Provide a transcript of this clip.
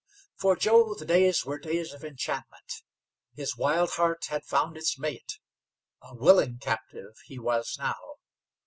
For Joe the days were days of enchantment. His wild heart had found its mate. A willing captive he was now.